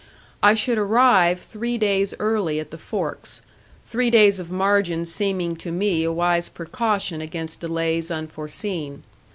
I should arrive three days early at the forks three days of margin seeming to me a wise precaution against delays unforeseen.